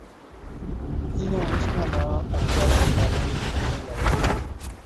ایہھاں اس ناں ناں اخباریں رسالیا وچ اینے لاغا